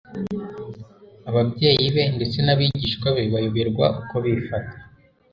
ababyeyi be ndetse n'abigishwa be bayoberwa uko bifata.